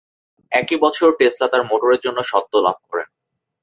একই বছর টেসলা তার মোটরের জন্য স্বত্ব লাভ করেন।